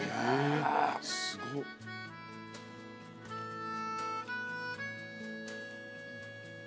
えすごっ。